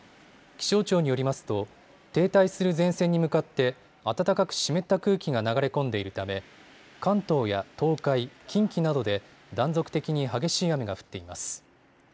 気象庁によりますと停滞する前線に向かって暖かく湿った空気が流れ込んでいるため関東や東海、近畿などで断続的に激しい雨が降っています。